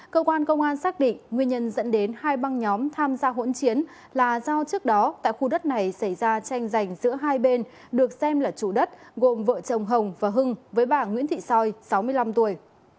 cơ quan công an xác định nguyên nhân dẫn đến hai băng nhóm tham gia hỗn chiến là do trước đó tại khu đất này xảy ra tranh giành giữa hai bên được xem là chủ đất gồm vợ chồng hồng và hưng với bà nguyễn thị soi sáu mươi năm tuổi